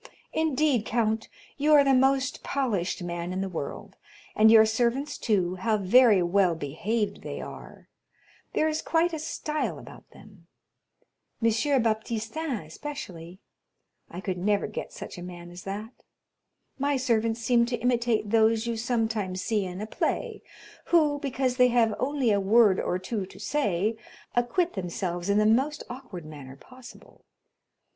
Indeed, count, you are the most polished man in the world. And your servants, too, how very well behaved they are; there is quite a style about them. Monsieur Baptistin especially; I could never get such a man as that. My servants seem to imitate those you sometimes see in a play, who, because they have only a word or two to say, aquit themselves in the most awkward manner possible.